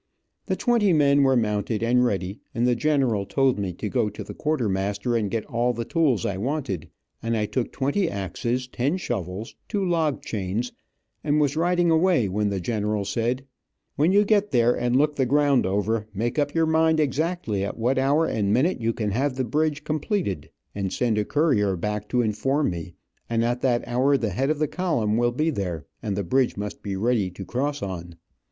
The twenty men were mounted, and ready, and the general told me to go to the quartermaster and get all the tools I wanted, and I took twenty axes, ten shovels, two log chains, and was riding away, when the general said: "When you get there, and look the ground over, make up your mind exactly at what hour and minute you can have the bridge completed, and send a courier back to inform me, and at that hour the head of the column will be there, and the bridge must be ready to cross on."